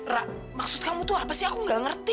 rak maksud kamu tuh apa sih aku gak ngerti